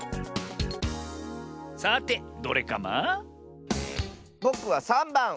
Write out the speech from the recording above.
さてどれカマ？ぼくは３ばん！